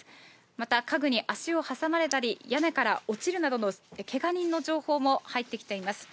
また、家具に足を挟まれたり、屋根から落ちるなどのけが人の情報も入ってきています。